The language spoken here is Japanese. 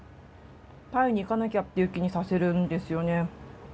タイに行かなきゃっていう気にさせるんですよね。